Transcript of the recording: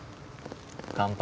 乾杯。